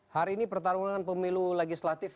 hari ini pertarungan pemilu legislatif